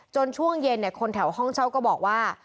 ช่วงเย็นคนแถวห้องเช่าก็บอกว่า